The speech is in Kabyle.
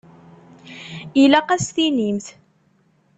Ilaq ad as-tinimt.